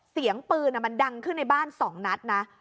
เสียงปืนมันดังขึ้นในบ้าน๒นัดนะ